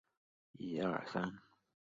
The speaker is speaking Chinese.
诺维昂奥普雷。